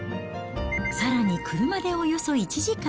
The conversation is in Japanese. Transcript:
さらに、車でおよそ１時間。